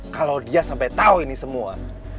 kalau dia sampai tahu ini semua